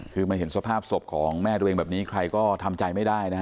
คือมาเห็นสภาพศพของแม่ตัวเองแบบนี้ใครก็ทำใจไม่ได้นะฮะ